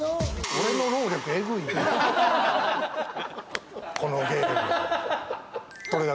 俺の労力えぐいな。